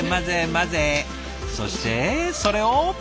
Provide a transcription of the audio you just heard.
そしてそれを。